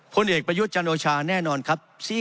ผลเอกประยุทธ์จันโอชาแน่นอนครับ